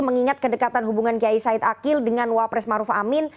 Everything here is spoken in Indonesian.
mengingat kedekatan hubungan kiai said akil dengan wapres maruf amin